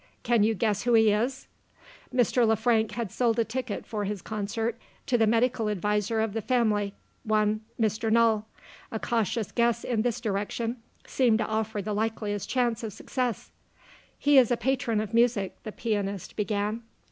Can you guess who he is?" Mr. Le Frank had sold a ticket for his concert to the medical adviser of the family one Mr. Null. A cautious guess in this direction seemed to offer the likeliest chance of success. "He is a patron of music," the pianist began.